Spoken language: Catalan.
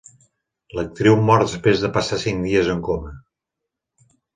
L'actriu mor després de passar cinc dies en coma.